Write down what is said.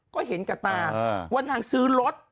ก็เห็นกับตาว่านางซื้อรถ